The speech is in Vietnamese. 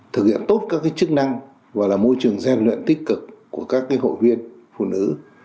thực hiện tốt các chức năng và là môi trường gian luyện tích cực của các hội viên phụ nữ